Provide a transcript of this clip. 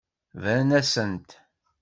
Bran-asent.